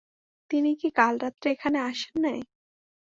তিনি কি কাল রাত্রে এখানে আসেন নাই?